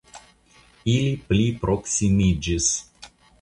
Ili pli proksimiĝis